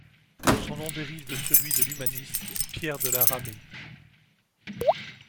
Ce nom dérive de celui de l'humaniste Pierre de La Ramée.